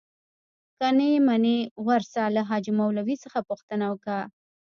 که نې منې ورسه له حاجي مولوي څخه پوښتنه وکه.